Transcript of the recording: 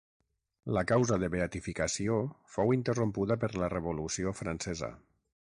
La causa de beatificació fou interrompuda per la Revolució francesa.